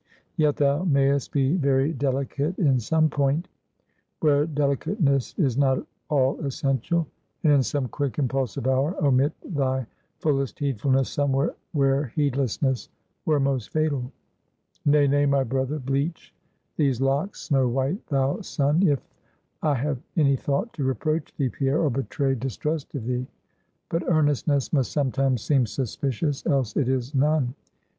Yet thou mayest be very delicate in some point, where delicateness is not all essential, and in some quick impulsive hour, omit thy fullest heedfulness somewhere where heedlessness were most fatal. Nay, nay, my brother; bleach these locks snow white, thou sun! if I have any thought to reproach thee, Pierre, or betray distrust of thee. But earnestness must sometimes seem suspicious, else it is none.